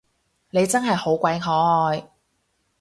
你真係好鬼可愛